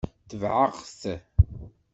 Tebɛeɣ-t.